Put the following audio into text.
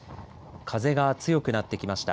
風が強くなってきました。